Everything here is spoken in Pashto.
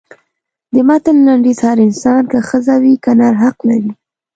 د متن لنډیز هر انسان که ښځه وي که نر حقوق لري.